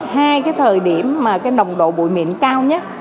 hai cái thời điểm mà cái nồng độ bụi mịn cao nhất